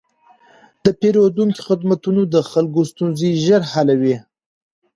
د پېرودونکو خدمتونه د خلکو ستونزې ژر حلوي.